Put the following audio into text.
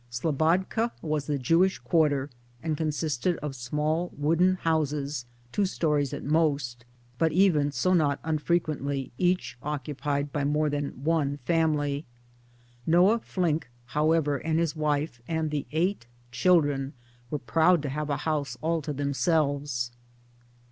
Slobodka was the Jewish quarter and consisted of small wooden houses, two stories at most, but even so not unfrequently each occupied by more than one family. Noah Flynck however and his wife and the eight children were proud to have a house all to themselves.